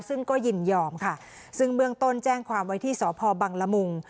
ซึ่งก็ยินยอมค่ะซึ่งเบื้องต้นแจ้งความไว้ที่สพบังละมุง